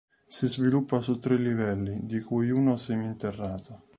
Si sviluppa su tre livelli, di cui uno seminterrato.